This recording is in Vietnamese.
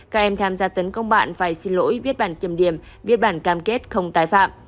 các em tham gia tấn công bạn phải xin lỗi viết bản kiểm điểm viết bản cam kết không tái phạm